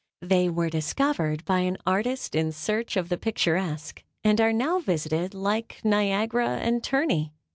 They were discovered by an artist in search of the picturesque, and are now visited, like Niagara and Terni.